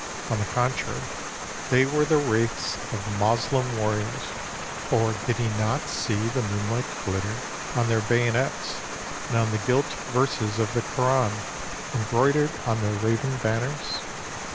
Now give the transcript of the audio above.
On the contrary, they were the wraiths of Moslem warriors, for did he not see the moonlight glitter on their bayonets and on the gilt verses of the Koran embroidered on their raven banners?